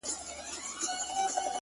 ما خو پخوا مـسـته شــاعـــري كول!